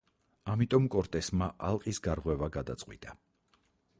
ამიტომ კორტესმა ალყის გარღვევა გადაწყვიტა.